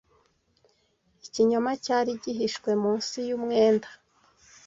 Ikinyoma cyari gihishwe munsi y’umwenda